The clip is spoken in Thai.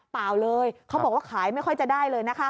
เปล่าเลยเขาบอกว่าขายไม่ค่อยจะได้เลยนะคะ